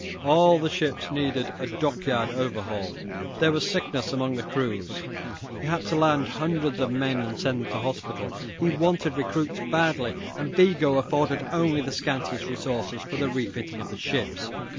All the ships needed a dockyard overhaul. There was sickness among the crews. He had to land hundreds of men and send them to hospital. He wanted recruits badly, and Vigo afforded only the scantiest resources for the refitting of the ships.